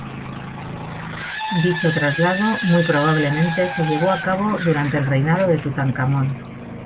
Dicho traslado muy probablemente se llevó a cabo durante el reinado de Tutankamón.